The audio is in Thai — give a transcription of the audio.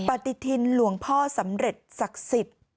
ปฏิทินหลวงพ่อสำเร็จศักดิ์สิทธิ์